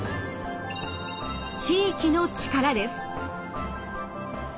地域の力です。